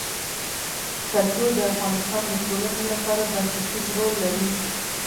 کلتور د افغانستان د ټولنې لپاره بنسټيز رول لري.